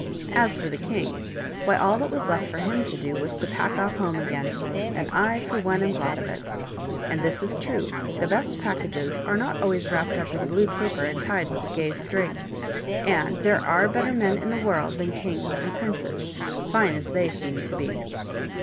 As for the king — why, all that was left for him to do was to pack off home again ; and I, for one, am glad of it. And this is true ; the best packages are not always wrapped up in blue paper and tied with a gay string, and there are better men in the world than kings and princes, fine as they seem to be.